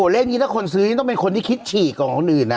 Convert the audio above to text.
เลขนี้ถ้าคนซื้อยังต้องเป็นคนที่คิดฉีกกว่าคนอื่นนะ